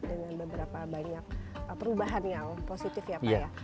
dengan beberapa banyak perubahan yang positif ya pak ya